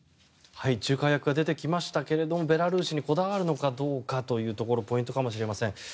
仲介役が出てきましたがベラルーシにこだわるのかどうかというところポイントかもしれません。